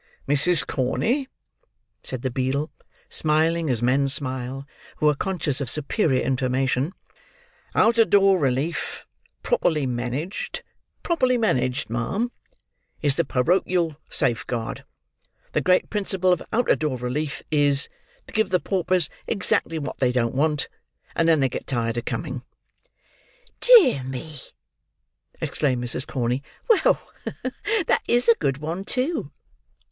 "Mrs. Corney," said the beadle, smiling as men smile who are conscious of superior information, "out of door relief, properly managed: properly managed, ma'am: is the porochial safeguard. The great principle of out of door relief is, to give the paupers exactly what they don't want; and then they get tired of coming." "Dear me!" exclaimed Mrs. Corney. "Well, that is a good one, too!"